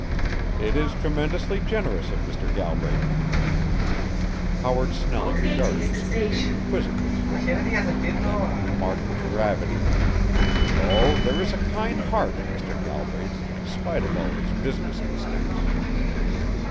"It is tremendously generous of Mr. Galbraith." Howard Snelling regarded his companion quizzically for a moment, then remarked with gravity: "Oh, there is a kind heart in Mr. Galbraith, in spite of all his business instincts."